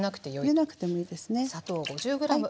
入れなくてもいいですね。